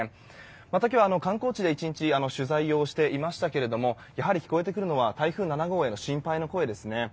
また、今日は観光地で１日取材をしていましたけれどもやはり聞こえてくるのは台風７号への心配の声ですね。